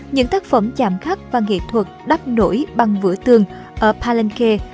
những tác phẩm chạm khắc và nghệ thuật đắp nổi bằng vữa tường ở palenke